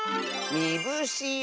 みぶしあ！